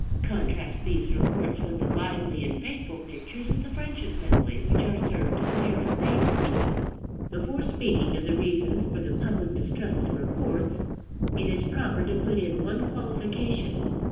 Contrast these reports with the lively and faithful pictures of the French Assembly which are served to the Paris papers. Before speaking of the reasons for the public distrust in reports, it is proper to put in one qualification.